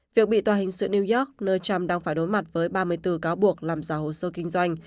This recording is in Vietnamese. việc bị tòa hình sự new york do trump đang phải đối mặt với ba mươi bốn cáo buộc làm giả hồ sơ kinh doanh